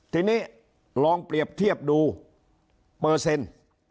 ทีนี้ลองเปรียบเทียบดูเปอร์เซ็นต์